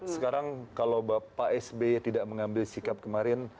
sekarang kalau pak sby tidak mengambil sikap kemarin